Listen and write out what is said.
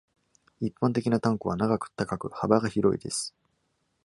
一般的なタンクは長く、高く、幅が広いです。